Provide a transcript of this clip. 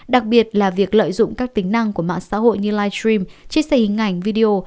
đặc biệt là việc lợi dụng các tính năng của mạng xã hội như live stream chia sẻ hình ảnh video